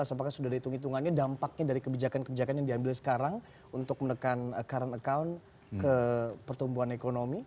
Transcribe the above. apakah sudah ada hitung hitungannya dampaknya dari kebijakan kebijakan yang diambil sekarang untuk menekan current account ke pertumbuhan ekonomi